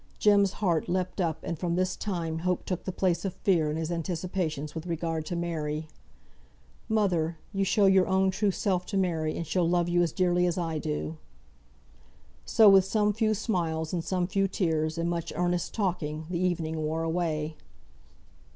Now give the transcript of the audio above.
Jem's heart leaped up, and from this time hope took the place of fear in his anticipations with regard to Mary. "Mother! you show your own true self to Mary, and she'll love you as dearly as I do." So with some few smiles, and some few tears, and much earnest talking, the evening wore away.